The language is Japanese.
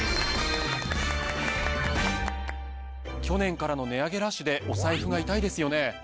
去年からの値上げラッシュでお財布が痛いですよね。